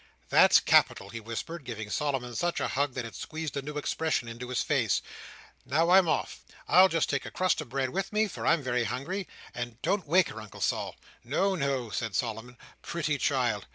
"That's capital!" he whispered, giving Solomon such a hug that it squeezed a new expression into his face. "Now I'm off. I'll just take a crust of bread with me, for I'm very hungry—and don't wake her, Uncle Sol." "No, no," said Solomon. "Pretty child."